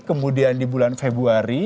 kemudian di bulan februari